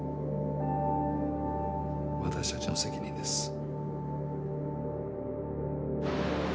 私たちの責任です。